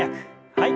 はい。